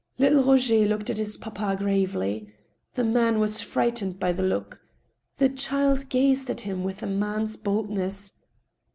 Little Roger looked at his papa gravely. The man was fright ened by the look. The child gazed at him with a man's bold ness.